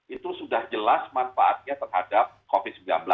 itu sudah jelas manfaatnya terhadap covid sembilan belas